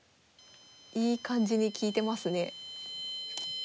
いい感じに利いてますね。